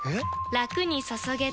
ラクに注げてペコ！